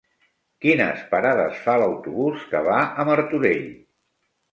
Quines parades fa l'autobús que va a Martorell?